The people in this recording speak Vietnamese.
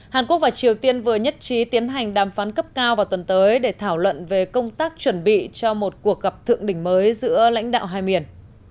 hàn quốc và triều tiên vừa nhất trí tiến hành đàm phán cấp cao vào tuần tới để thảo luận về công tác chuẩn bị cho một cuộc gặp thượng đỉnh mới giữa lãnh đạo hai miền